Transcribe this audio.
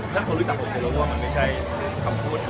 ถ้าเขาชัดผมจะทรงมันนี่ใช่คำพูด